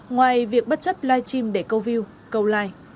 ngoài việc bất chấp live stream để câu view câu like